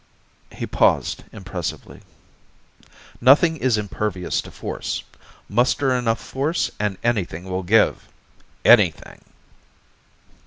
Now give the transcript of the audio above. He paused impressively. "Nothing is impervious to force. Muster enough force and anything will give. _Anything.